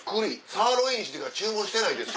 サーロインしか注文してないです。